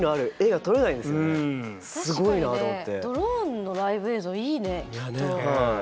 ドローンのライブ映像いいねきっと。